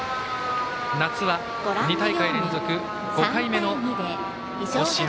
夏は２大会連続５回目の甲子園。